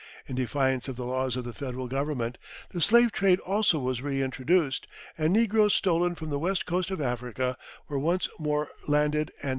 In defiance of the laws of the Federal Government, the slave trade also was reintroduced, and negroes stolen from the West Coast of Africa were once more landed and sold into slavery.